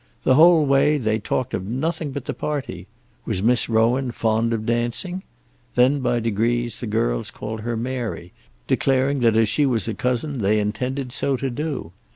The whole way they talked of nothing but the party. Was Miss Rowan fond of dancing? Then by degrees the girls called her Mary, declaring that as she was a cousin they intended so to do.